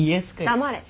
黙れ。